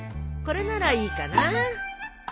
これならいいかな？